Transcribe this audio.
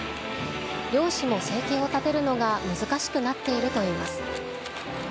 漁師も生計を立てるのが難しくなっているといいます。